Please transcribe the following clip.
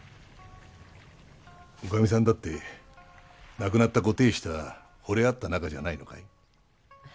女将さんだって亡くなったご亭主とは惚れ合った仲じゃないのかい？